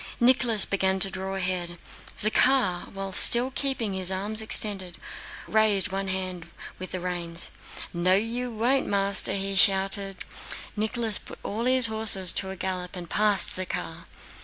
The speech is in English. Nicholas began to draw ahead. Zakhár, while still keeping his arms extended, raised one hand with the reins. "No you won't, master!" he shouted. Nicholas put all his horses to a gallop and passed Zakhár.